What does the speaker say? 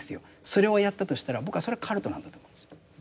それをやったとしたら僕はそれはカルトなんだと思うんですよ。